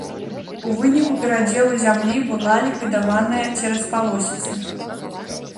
У выніку перадзелу зямлі была ліквідаваная цераспалосіца.